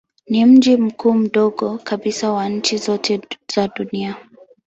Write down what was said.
Ni mji mkuu mdogo kabisa wa nchi zote za dunia.